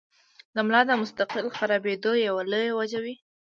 د ملا د مستقل خرابېدو يوه لويه وجه وي -